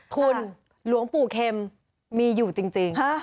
คุณหลวงปู่เข็มมีอยู่จริง